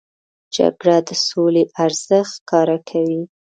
جګړه د سولې ارزښت ښکاره کوي